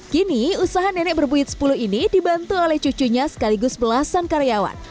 kini usaha nenek berbuit sepuluh ini dibantu oleh cucunya sekaligus belasan karyawan